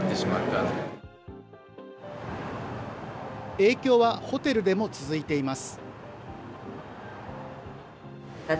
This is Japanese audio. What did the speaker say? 影響はホテルでも続いています。